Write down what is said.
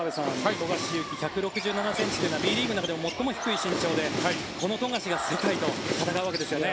富樫勇樹、１６７ｃｍというのはＢリーグの中でも最も低い身長でこの富樫が世界と戦うわけですよね。